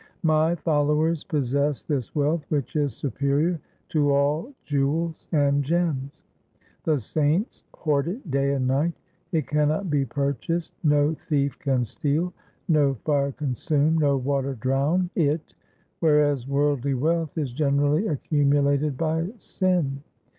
My followers possess this wealth which is superior to all jewels and gems. The saints hoard it day and night. It cannot be purchased, no thief can steal, no fire consume, no water drown it, whereas worldly wealth is generally accumulated by sin.